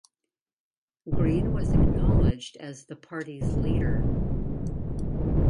Green was acknowledged as the party's leader.